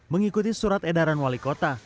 mengikuti surat edaran wali kota